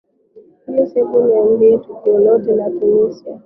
phylis hebu niambie tukio lote la tunisia